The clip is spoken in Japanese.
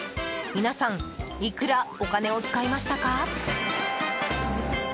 皆さんいくらお金を使いましたか？